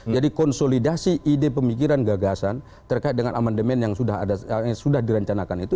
jadi konsolidasi ide pemikiran gagasan terkait dengan amandemen yang sudah dirancangkan itu